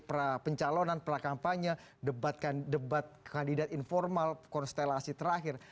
prapencalonan prakampanye debat kandidat informal konstelasi terakhir